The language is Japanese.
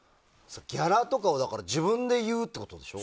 ギャラとかも自分で言うってことでしょ。